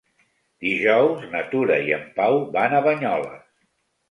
Dijous na Tura i en Pau van a Banyoles.